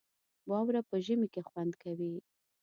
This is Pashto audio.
واوره په ژمي کې خوند کوي